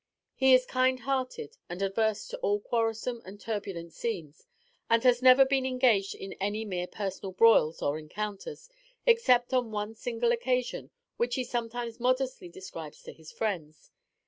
He is kind hearted, and averse to all quarrelsome and turbulent scenes, and has never been engaged in any mere personal broils or encounters, except on one single occasion, which he sometimes modestly describes to his friends.